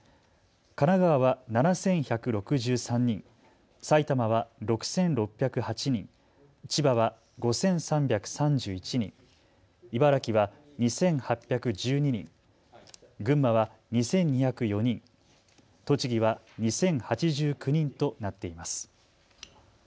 神奈川は７１６３人、埼玉は６６０８人、千葉は５３３１人、茨城は２８１２人、群馬は２２０４人、栃木は２０８９人となっています。